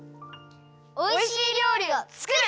おいしいりょうりをつくる！